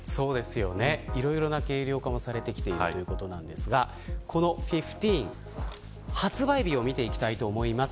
いろいろな軽量化もされてきているということですがこの１５発売日を見ていきます。